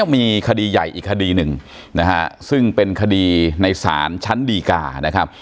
มีคดีใหญ่อีกคดีหนึ่งนะฮะซึ่งเป็นคดีในศาลชั้นดีกานะครับ